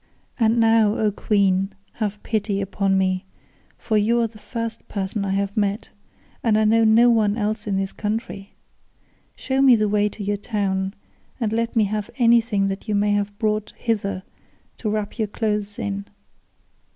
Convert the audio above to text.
"And now, O queen, have pity upon me, for you are the first person I have met, and I know no one else in this country. Show me the way to your town, and let me have anything that you may have brought hither to wrap your clothes in.